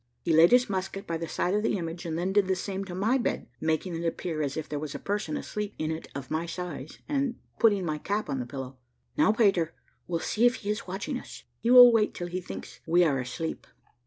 He laid his musket by the side of the image, and then did the same to my bed, making it appear as if there was a person asleep in it of my size, and putting my cap on the pillow. "Now, Peter, we'll see if he is watching us. He will wait till he thinks we are asleep."